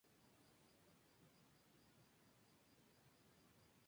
Testículos pequeños pueden ayudar indicar hipogonadismo primario o secundario.